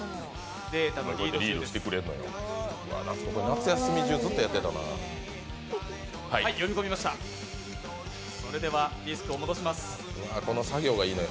夏休み中、ずっとやってたな。